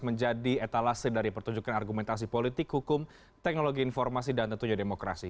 menjadi etalase dari pertunjukan argumentasi politik hukum teknologi informasi dan tentunya demokrasi